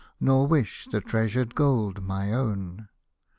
Nor wish the treasured gold my own.